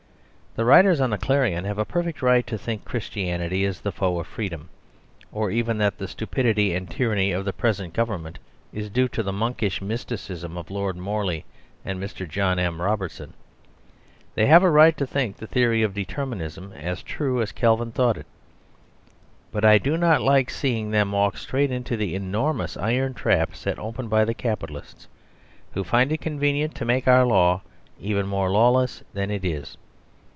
The writers on the "Clarion" have a perfect right to think Christianity is the foe of freedom, or even that the stupidity and tyranny of the present Government is due to the monkish mysticism of Lord Morley and Mr. John M. Robertson. They have a right to think the theory of Determinism as true as Calvin thought it. But I do not like seeing them walk straight into the enormous iron trap set open by the Capitalists, who find it convenient to make our law even more lawless than it is.